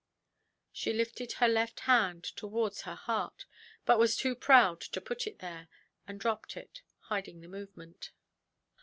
She lifted her left hand towards her heart, but was too proud to put it there, and dropped it, hiding the movement.